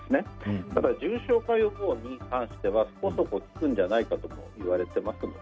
ただ重症化予防についてはそこそこ効くんじゃないかといわれています。